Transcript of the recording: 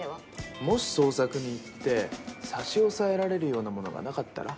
もし捜索に行って差し押さえられるようなものがなかったら？